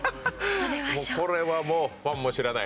これはもうファンも知らない。